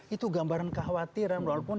itu gambaran kekhawatiran walaupun